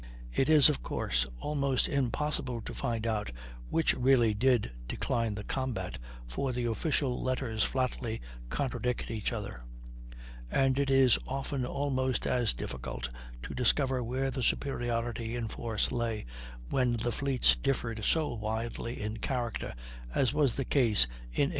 It is, of course, almost impossible to rind out which really did decline the combat, for the official letters flatly contradict each other; and it is often almost as difficult to discover where the superiority in force lay, when the fleets differed so widely in character as was the case in 1813.